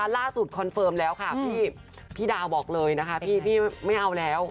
คอนเฟิร์มแล้วค่ะพี่ดาวบอกเลยนะคะพี่ไม่เอาแล้ว